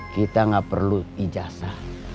kita gak perlu ijasa